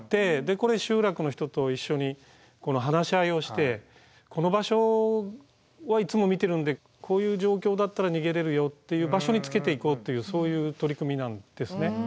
これ集落の人と一緒に話し合いをしてこの場所はいつも見てるのでこういう状況だったら逃げれるよっていう場所につけていこうというそういう取り組みなんですね。